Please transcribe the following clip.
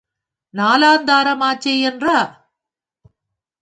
நாலாந் தாரமாச்சே யென்றா?